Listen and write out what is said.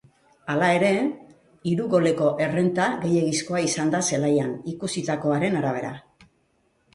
Hala ere, hiru goleko errenta gehiegizkoa izan da zelaian ikusitakoaren arabera.